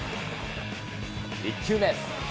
１球目。